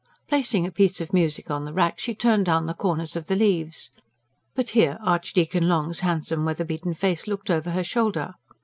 Placing a piece of music on the rack, she turned down the corners of the leaves. But here Archdeacon Long's handsome, weatherbeaten face looked over her shoulder.